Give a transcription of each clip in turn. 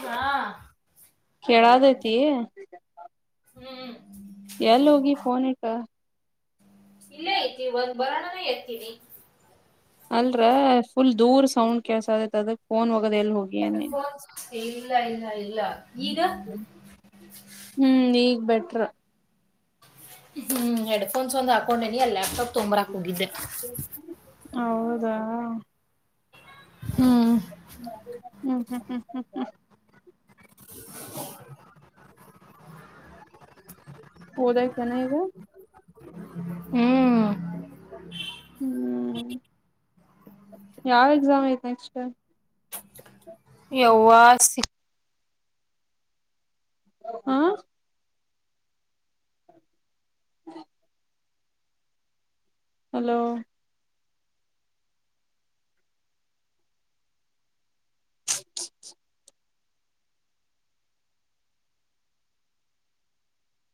ಹಾ ಕೆ ದತ ಹ್ಮ್ ಎಲ್ಲಿ ಹೋಗಿ ಫೋನ್ ಇಟ ಇಲ್ಲೇ ಐತಿ ಒಂದ್ ಬರರಣನೇ ಎತೀನಿ ಅಲ್ರ ಫುಲ್ ದೂರ್ ಸೌಂಡ್ ಕೆಲ್ಸ ಆದೈತ್ ಅದಕ್ ಫೋನ್ ಹೋಗದ ಎಲ್ ಹೋಗಿ ಅನ್ನಿ ಇಲ್ಲ ಇಲ್ಲ ಇಲ್ಲ ಈಗ ಹ್ಮ್ ಈಗ್ ಬೆಟ್ರ ಹ್ಮ್ ಹೆಡ್ಫೋನ್ಸ್ ಒಂದ್ ಹಾಕೊಂಡೇನಿ ಅಲ್ಲಿ ಲ್ಯಾಪ್ಟಾಪ್ ತೊಂಬ್ರಾಕ್ ಹೋಗಿದ್ದೆ ಹೌದಾ ಹ್ಮ್ ಹ್ಮ್ ಹ್ಮ್ ಹ್ಮ್ ಹ್ಮ ಹ್ಮ ಹೋದಾಯತನ ಈಗ ಹ್ಮ್ ಹ್ಮ್ [inaudible] ಯಾವ ಎಕ್ಸಾಮ್ ಐತೆ ನೆಕ್ಸ್ಟ್ ಹೌವ ಸಿ ಹಾ [inaudible] ಹಲೋ [unintelligible]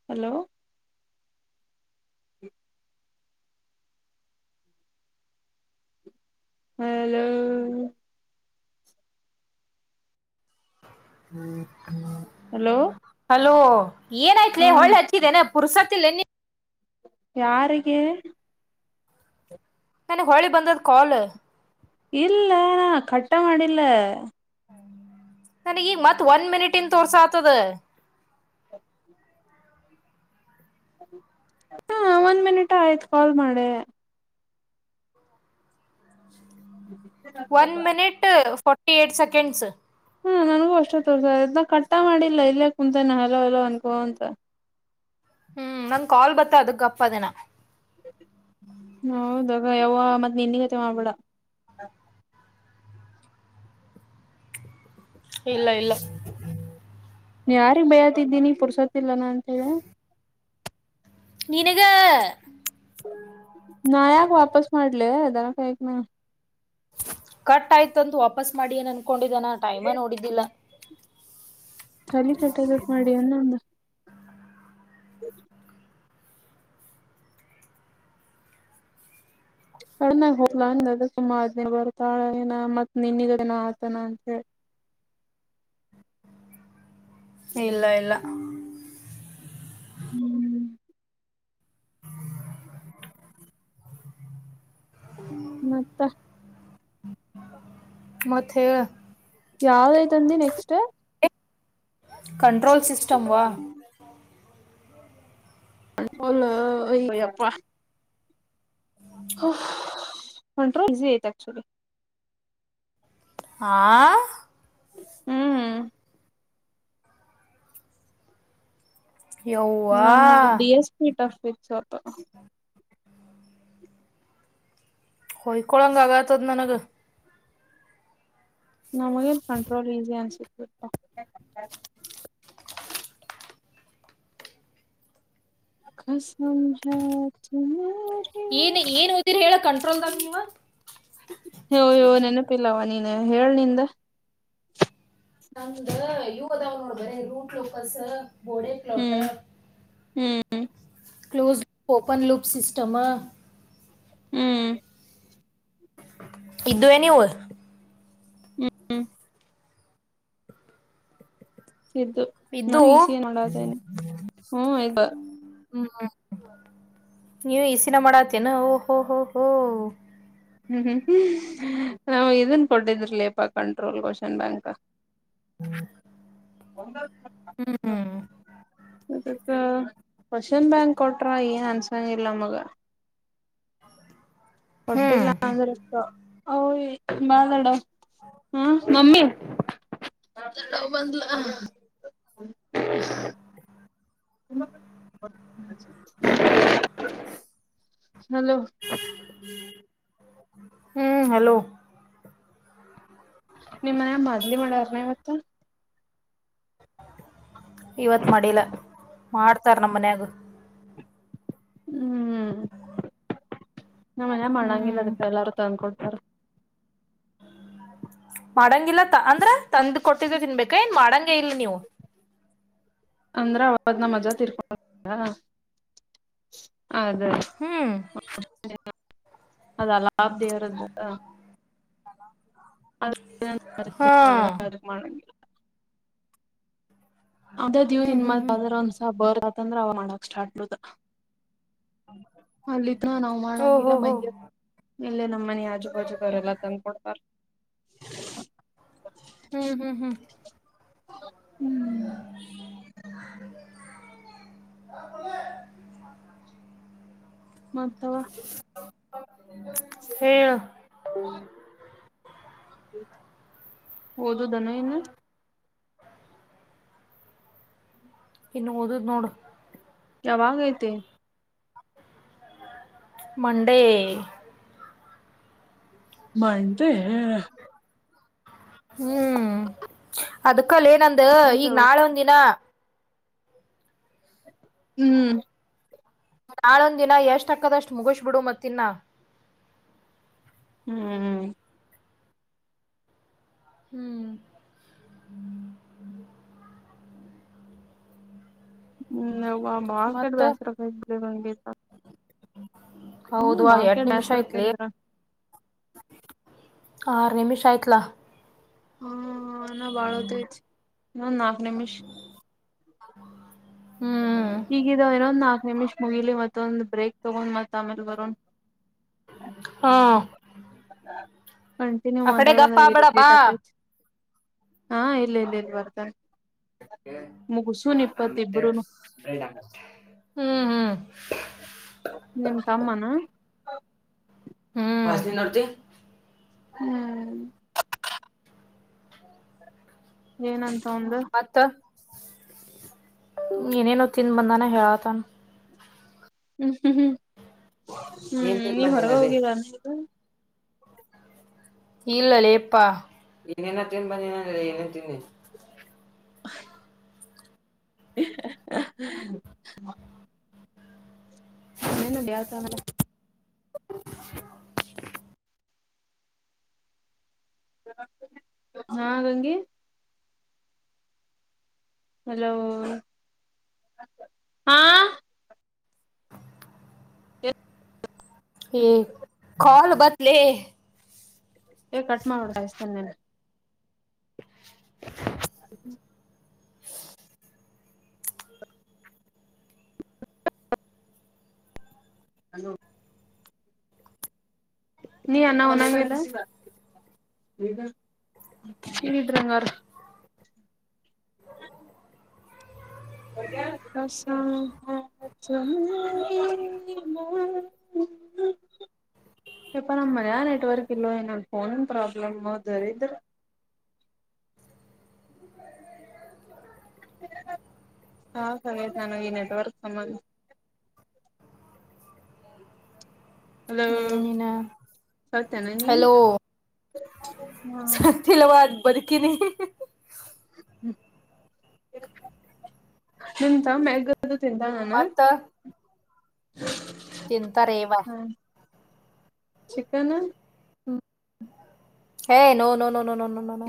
ಹಲೋ ಹಲೋ ಹ್ಮ್ ಹ್ಮ್ ಹಲೋ ಅಲೋ ಏನಾಯ್ತ್ಲ ಹಾ ಹೊಳ್ಳೆ ಹಚ್ಚಿದೇನೆ ಪುರ್ಸತ್ತಲ್ಲ ಯಾರಿಗೆ ನನಗ್ ಹೊಳಿ ಬಂದದ ಕಾಲ್ ಇಲ್ಲ ನಾ ಕಟ್ಟ ಮಾಡಿಲ್ಲ ನನಗೀ ಮತ್ ಒನ್ ಮಿನಿಟನ್ ತೋರ್ಸ ಆತದ ಹ ಹಾ ಒಂದ್ ಮಿನಿಟ್ ಆಯ್ತು ಕಾಲ್ ಮಾಡೆ ಒನ್ ಮಿನಿಟ್ ಫೋ ಸೆಕ್ಸ್ ಹಾ ನನಗೂ ಅಷ್ಟ ತ ಸನ ಕಟ್ಟ ಮಾಡಿಲ್ಲ ಇಲ್ಲೇ ಕುಂತನ ಹಲೋ ಎಲೋ ಅನ್ಕೋ ಅಂತ [inaudible] ಹ್ಮ್ ನಂಗ ಕಾಲ್ ಬತ್ತ ಅದಕ್ ಅಪ್ಪ ಅದೇನ ಹೌದಾಗ ಯಾವ ಮತ್ತ ನಿದಿಗತೆ ಮಾಡ್ಬಿಡ ಇಲ್ಲ ಇಲ್ಲ ನೀ ಯಾರಿಗೆ ಬಯತಿದ್ದೀನಿ ಪುರ್ಸತ್ತಲ್ಲನಾ ಅಂತ ಹೇಳ ನೀನಗೆ ನಯಾಕ ವಾಪಸ ಮಾಡಲಿ ಯದಾರ ಕ ಮ ಕಟ್ ಆಯ್ತಂತ ವಾಪಸ್ ಮಾಡಿ ಏನ್ ಅನ್ಕೊಂಡಿದ್ದಾನ ಟೈಮ ನೋಡಿದ್ದಿಲ್ಲ ತಾಲ ಕಟ್ಟದತ್ ಮಾಡಿ ಅನ್ನೊಂದು ಕಣ್ಣಾಗ ಹೋಗ್ಲಾ ಅಂದ ಅದ ಸುಮಾ ಹದ್ನೇರು ಬರುತ್ತಾಳೆನ ಮತ್ ನಿನ್ನಗ ಅದನ ಆತಾನ ಅಂತ ಹೇಳಿ ಇಲ್ಲ ಇಲ್ಲ ಹ್ಮ್ ಮತ್ತ ಮತ್ತೆ ಹೇಳ್ ಯಾವ್ದೈ್ತಂದ ನೆಕ್ಸ್ಟ್ ಕಂಟ್ರೋಲ್ ಸಿಿಸ್ಟಟಮ್ವಾ ಲ್ಲ ಯಪ್ಪಾ ಹ ಹೊಂಟ ಈಸಿ ಐತ್ ಆಕ್ಚುಲಿ ಆ ಹ್ಮ್ ಯವ್ವಾ ನಮ್ಗ್ ಡಿ ಎಸ್ ಪಿ ಟಫಿಕ್ಸ್ ಆ ಹೋಯಿಕೊಳಂಗಾಗತದ ನನಗ ನಮವುಗೆ ಕಂಟ್ರೋಲ್ ಈಸಿ ಅನ್ಸ ಕಸಜತ ಏನ್ ಏನ್ ಓದಿರಿ ಹೇಳ ಕಂಟ್ರೋಲ್ದಾಗ ನೀವ ಹೆಂಗ್ ಹೇಳ ನಿಂದ ನ್ದ ಯುವದಾವ್ ನೋಡ್ಬ್ರ ರೂಟ್ ಲೋಕಸ್ ಬೋಡೆ ಪ್ಲಾಟ್ ಹೂ ಕ್ಲೋಸ್ ಓಪನ್ ಲಲುಪ್ ಸಿಸ್ಟಮ್ ಹೂ ಇದ್ದುವೇ ನೀವು ಹೂ ಹೂ ಇದ್ವು ಇದ್ದು ನಾವು ಈಸಿಯ ನೋಡ್ದೇನೆ ಹೂ ಹೂ ನೀವ ಈಸಿನ ಮಾಡತೇನಾ ಓಹೋ ಹೋ ಹೋ ಹೂ ಹೂ ಹೂ ನಾವು ಇದನ್ ಕೊಟ್ಟಿದ್ರ ಲಪಾ ಕಂಟ್ರೋಲ್ ಕ್ವೆಷನ್ ಬ್ಯಾಂಕ್ ಹೂ ಒಂದ ಅಕ್ಕೆ ಕ್ವೆಶ್ಚನ್ ಬ್ಯಾಂಕ್ ಕೊಟ್ರ ಏನ್ ಆನ್ಸರ್ ಹಂಗಿಲ್ಲ ಮಗ ಹ್ಮ್ ಕೊಟ್ಟಿಲ್ಲ ಅಂದ್ರೆ ಯ ಬಾಳಾಡ ಹಾ ಮಮ್ಮಿ ಡವ್ ಬಂದಲ ಹಲೋ ಹೂ ಹಲೋ ನಿಮ್ಮ ಮನೆಲ್ಲಿ ಮಾಡ್ಲಿ ಮಾಡಾರನವತ್ತ ಇವತ್ ಮಾಡಿಲ್ಲ ಮಾಡ್ತಾರ ನಮ್ಮ ಮನ್ಯಾಗ ಹೂ ನಮ್ ಮನೆಗ ಹ್ಮ್ ಮಾಡಂಗಿಲ್ಲದಪ್ಪ ಎಲ್ಲಾರೂ ತಂದ್ಕೊಂಡ ಹಾ ಮಾಡಂಗಿಲ್ಲ ಅಂದ್ರ ತಂದ ಕೊಟ್ಟಿದೆ ತಿನ್ಬೇಕ ಏನ್ ಮಾಡಂಗೆ ಇಲ್ ನೀವು ಅಂದ್ರ ಅವಾಗ್ ನಾಮ್ ಅಜ್ಜ ತಿರ್ಕೊಂಡ್ರ ಅದೇ ಹ್ಮ್ ಅದ ಲಾ ದೇವರದ್ದ ಹೂ ೊಂಡ ಮಾಡ ಅದ ಹ್ಮ್ ಹ್ಮ್ ಹ್ಮ್ ದಿವ್ನ್ದ್ರ ಒಂದ್ಸ ಬರ್ತ್ಂದ್ರ ಅವ ಮಾಡಕ್ ಸ್ಟಾರ್ಟ್ ಬದ ಅಲ್ಲಿತ್ರ ನಾವ್ ಓಹೋ ಮಾಡಂಗಿಲ್ಲ ಹೋ ಮಂಜ ಇಲ್ಲೇ ನಮ್ಮನಿ ಯಾಜು ಬಾಜು ಬರಲ್ಲ ತಂದ್ಕೊಂಡ ಬರ್ ಹೂ ಹೂ ಹೂ ಹೂ ಹೂ ಹೂ ಮತ್ತಾವ ಹೇಳು ಓದೋದು ಏನು ಇನ್ನು ಇನ್ನು ಓದೋದು ನೋಡು ಯಾವಾಗ ಐತೆ ಮಂಡೆ ಮಾಡ್ದ ಹ್ಮ್ ಅದಕ್ಕಲ್ಲ ಏನಂದ ಈಗ್ ನಾಳೆ ಒಂದ ದಿನ ಹ್ಮ್ ನಾಳೊಂದ ದಿನ ಎಷ್ಟಕ್ಕದಷ್ಟು ಮುಗಿಸಬಿಡು ಮತ್ತಿನ್ನ ಹ್ಮ್್ಮ ಹ್ಮ್ ಹ್ಮ್ ಹ ಬಾಕಡೆ ಮತ್ತ ಬಸರ ಗಗೆಿತ ಹೌದುವ ಎಟ ನಿಮಿಷ ಡ್ಯಾಸರ್ ಐತ್ಲಿ ಕೇಳಿದ್ರ ಆರು ನಿಮಿಷ ಆಯ್ತ್ಲ ಹಾ ನ ಬಾಳತೆ ನ ನಾಕನಮಿಷ ಹ್ಮ್ ಹೀಗಿದಾವ ಇನ್ನೊಂದ್ ನಾಲ್ಕು ನಿಮಿಷ್ ಮುಗಿಲಿ ಮತ್ತೊಂದು ಬ್ರೇಕ್ ತಗೊಂಡ್ ಮತ್ತ ಆಮೇಲೆ ಬರೋಣ್ ಹಾ ಕಂಟಿನ್ಯೂ ಆ ಕಡೆ ಗಪ್ಪ ಮಾತಾಡೋಂದ್ರೆ ಆಗ್ಬೇಡ ಬಾ ಇರಿಡೇಟ್ ಆಫ ಹಾ ಇಲ್ಲ ಇಲ್ಲ ಇಲ್ಲಿ ಬರ್ತಾರೆ ಹ್ಮ್ ಇಬ್ರುನು ಹ್ಮ್ ಹ ನಿಮ್ ಸಮ್ಮಾನ ಹ್ಮಲಿ ನೋಡ್ತಿ ಹ್ಮ್ ಏನಂತ ಅವಂದು ಮತ್ತ ಏನೇನು ತಿನ್ ಬಂದಾನ ಹೇಳತಾನ ಹ್ಮ್ ಹ್ಮ್ ಹ್ಮ್ ಏನ್ ಹ್ಮ್ ತಿನ್ ನೀ ಹೊರಗ ಬಂದೇನರಿ ಹೋಗಿದಾನಗ ಇಲ್ಲಲ್ಲಿಪ್ಪಾ ಇನೇನ ತಿನ್ ಬಂದ ಏನೇ ತಿನ್ನಿ [inaudible] ನನನುಡ ಆಾಸಲ್ಲ [inaudible] ಹಾ ರಂಗೀ ಹಲೋ ಹಾ ಹ್ಮ ಕಲ್ ಬದಲೆ ಏ ಕಟ್ ಮಾಡ್ತನ್ನ ಹಲೋ ನೀ ಅನ್ನ ಒಣಂಗಿಲ್ಲ ಕೇಳಿದ್ರಂಗಾರ್ ಹಸ [inaudible] ಇಪಾ ನಮ್ಮ್ ಮನಯ ನೆಟ್ವರ್ಕ್ ಇಲ್ೋ ಏನಲ್ ಫೋನನ್ ಪ್ರಾಬ್ಲಮ ದರಿದ್ರ [inaudible] ಹಾ ಸತಾನ ಈ ನೆಟ್ವರ್ಕ್ ಸಮ ಹಲೋ ಅದಏನಿನ ಸೌತೇನ ನೀ ಹಲೋ ಹಾ ಸತಿಲವಾಜ ಬದುಕಿ ನೀ ನಿಂತ ಮಗ ತಿಂತ ಹಣ ತಿಂತ ರೇವ ಚಿಕನ ್ಮ ಹ ನೋ ನೋ ನ ನ ನ ನ ನ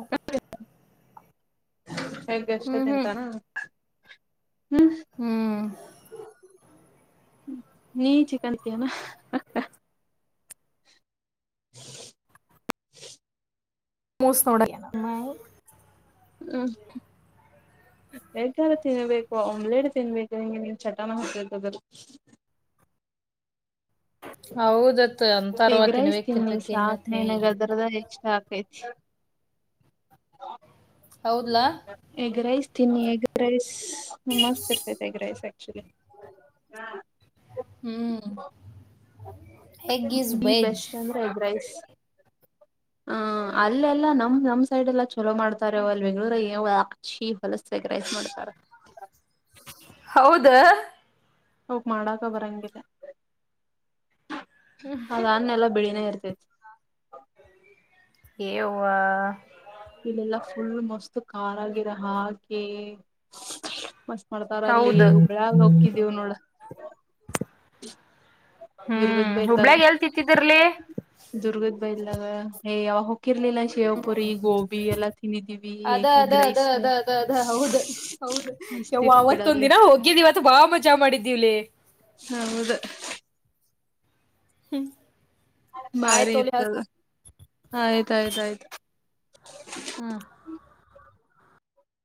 ಹೇಗೆ ಅಷ್ಟ ಹ್ಮ್ ಹ್ಮ್ ತಿಂತಾನ ಹ್ಮ್ ಹ್ಮ್ ನೀ ಚ ಕಾಣತಿಯಾನ [inaudible] ಮೋಸ್ ನೋಡ ಹ್ಮ್ ಬೇಗಾರ ತಿನ್ಬೇಕು ಆಮ್ಲೆಟ್ ತಿನ್ಬೇಕು ಹಿಂಗೆ ನೀನ್ ಚಟನ ಹಾಕ್ತದ [inaudible] ಹೌದತ್ ಅಂತರ್ವ ಎಗ್ ರೈಸ್ ತಿನ್ಬೇಕೇಕ್ ತಿನ್ನಿ ತಿನ್ಬೇಕೇ ಸಾಕ್ ತಿನ್ನತ್ತ ನಿನಗ್ ಹೇಳೇ ಅದ್ರದ ಇಷ್ಟ ಆಕೈತಿ ಹೌದಲಾ ಎಗ್ ರೈಸ್ ತಿನ್ನಿ ಎಗ್ ರೈಸ್ ಮಸ್ತ್ ಇರ್ತ ಎಗ್ ರೈಸ್ ಆಕ್ಚುಲಿ ಹ್ಮ್ ಎಗ್ ಈಸ್ ಬಿ ವೆಜ್ ಬೆಸ್ಟ್ ಅಂದ್ರೆ ಐದ ರೈಸ್ ಹ ಅಲ್ಲೆಲ್ಲಾ ನಮ್ ನಮ್ ಸೈಡ್ ಎಲ್ಲಾ ಚಲೋ ಮಾಡ್ತಾರೆ ಅವ ಅಲ್ಲಿ ಬೆಂಗ್ಗಳೂರ ನೀವು ಅಕ್ಷಿ ಹೊಲಸಸಗ್ರೈಸ್ ಮಾಡಡ್ತಾರ [unintelligible] ಹೌದಾ ಅವೋಗ ಮಾಡಾಕ ಬರಂಗಿದೆ ಅದನ್ನೆಲ್ಲ ಬಿಳನೇ ಇ [inaudible] ವಾ [unintelligible] ಇಲ್ಲೆಲ್ಲಾ ಫುಲ್ ಮಸ್ತ್ ಖಾರಾಗಿರ ಹಾಗೆ ಮಸ್ ಮಾಡ್ತಾರ ಅಲ್ಲಿ ಹೌದು ಹುಬ್ಬಳಾಗ ಹಕ್ಕಿದೀವ ನೋಡ ಹ್ಮ್ ದುರ್ಗತ್ ಬೈಂದಾಗ ಹುಬ್ಳ್ಯಾಗ ಎಲ್ ತಿಂತಿದ್ರಲಿ ದುರ್ಗ ೇ [unintelligible] ಯಾವಾಗ ಹಕ್ಕಿರ್ಲಿಲ್ಲ ಶಿವಪುರಿ ಗೋಬಿ ಬಿ ಎಲ್ಲ ತಿನ್ನಿದೀವಿ ಅದ ಅದ ಅದ ಗ್ರೈಸ್ ಅದ ಅದ ಅದ ಹೌದ ಮಸ್ತಿತ್ ಬಿಿಡ ಅಲ್ಲೇ ನಾ ಹೋಗಿದ್ದಿವವ ಅತ್ ಬಾ ಮಜಾ ಮಾಡಿದ್ದೀವ್ಲಿ ಹೌದು ಹ್ಮ್ ಬಾರಿ ಇತದ ಆಯ್ತಯ್ತ ಆಯ್ತು ಹ್ಮ್